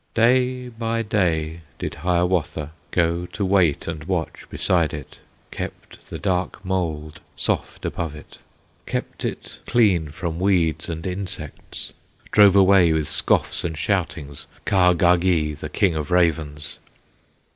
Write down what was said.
Day by day did Hiawatha Go to wait and watch beside it; Kept the dark mould soft above it, Kept it clean from weeds and insects, Drove away, with scoffs and shoutings, Kahgahgee, the king of ravens.